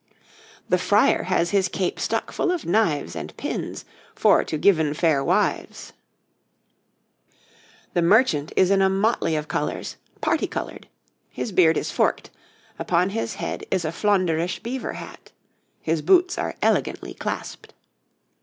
THE FRIAR has his cape stuck full of knives and pins 'for to yeven faire wyves.' THE MERCHANT is in a motley of colours parti coloured. His beard is forked; upon his head is a Flaunderish beaver hat. His boots are elegantly clasped.